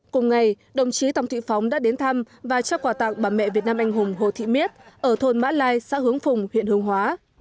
cùng ngày đồng chí tòng thị phóng đã đến thăm và trao quà tặng bà mẹ việt nam anh hùng hồ thị miết ở thôn mã lai xã hướng phùng huyện hương hóa